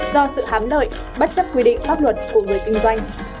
do sự hám lợi bất chấp quy định pháp luật của người kinh doanh